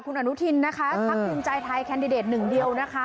คุณอนุทินนะคะพักภูมิใจไทยแคนดิเดตหนึ่งเดียวนะคะ